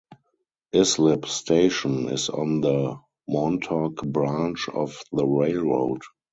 Islip Station is on the Montauk Branch of the railroad.